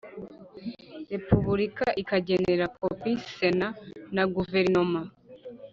Repubulika akagenera kopi Sena na Guverinoma